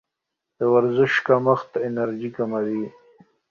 د ورزش کمښت انرژي کموي.